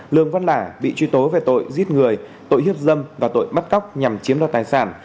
lương văn lả bị truy tố về tội giết người tội hiếp dâm và tội bắt cóc nhằm chiếm đoạt tài sản